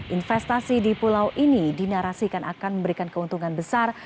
investasi di pulau ini dinarasikan akan memberikan keuntungan besar